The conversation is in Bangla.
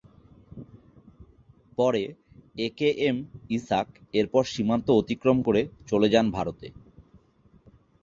পরে এ কে এম ইসহাক এরপর সীমান্ত অতিক্রম করে চলে যান ভারতে।